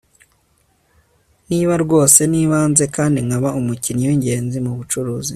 niba rwose nibanze kandi nkaba umukinnyi w'ingenzi mu bucuruzi